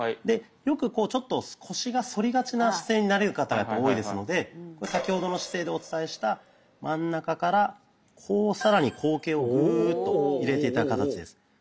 でよくこうちょっと腰が反りがちな姿勢になる方が多いですので先ほどの姿勢でお伝えした真ん中からこう更に後傾をグッと入れて頂く形です。